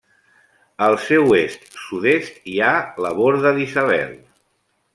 Al seu est-sud-est, hi ha la Borda d'Isabel.